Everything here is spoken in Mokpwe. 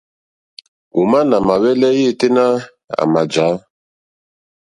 Òmá nà mà hwɛ́lɛ́ yêténá à mà jǎ.